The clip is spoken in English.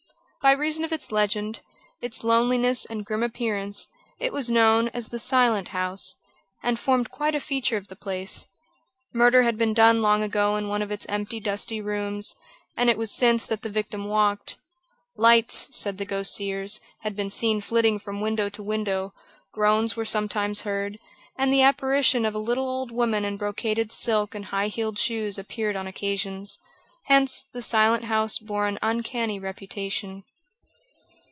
By reason of its legend, its loneliness and grim appearance, it was known as the Silent House, and formed quite a feature of the place. Murder had been done long ago in one of its empty, dusty rooms, and it was since then that the victim walked. Lights, said the ghost seers, had been seen flitting from window to window, groans were sometimes heard, and the apparition of a little old woman in brocaded silk and high heeled shoes appeared on occasions. Hence the Silent House bore an uncanny reputation.